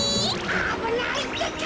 おぶないってか。